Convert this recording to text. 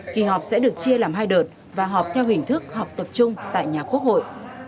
kỳ họp sẽ được chia làm hai đợt và họp theo hình thức họp tập trung tại